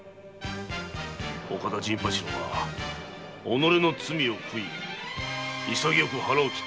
岡田陣八郎は己の罪を悔い潔く腹を切って見事に散った。